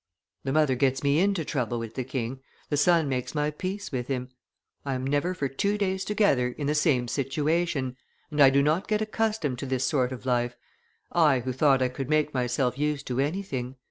The mother gets me into trouble with the king, the son makes my peace with him; I am never for two days together in the same situation, and I do not get accustomed to this sort of life, I who thought I could make myself used to anything."